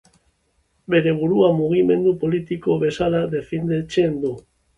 Bere burua mugimendu politiko bezala definitzen du.